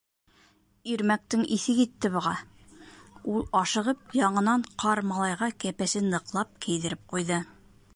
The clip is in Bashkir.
Ирмәктең иҫе китте быға, ул ашығып яңынан ҡар малайға кәпәсен ныҡлап кейҙереп ҡуйҙы.